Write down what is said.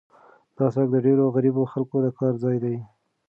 دا سړک د ډېرو غریبو خلکو د کار ځای دی.